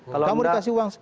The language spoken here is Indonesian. kamu dikasih uang sekian